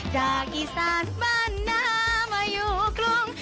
จากอีสานบ้านนามาอยู่กรุง